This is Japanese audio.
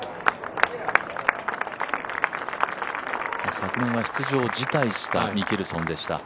昨年は出場を辞退したミケルソンでした。